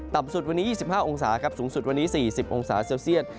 ต่ำสุดวันนี้ยี่สิบห้าองศาครับสูงสุดวันนี้สี่สิบองศาเซลเซียต